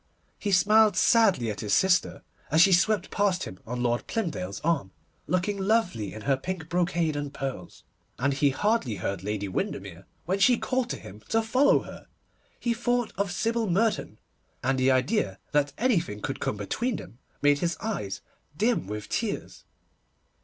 He smiled sadly at his sister, as she swept past him on Lord Plymdale's arm, looking lovely in her pink brocade and pearls, and he hardly heard Lady Windermere when she called to him to follow her. He thought of Sybil Merton, and the idea that anything could come between them made his eyes dim with tears.